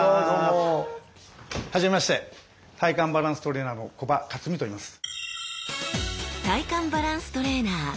はじめまして体幹バランス・トレーナーの木場克己といいます。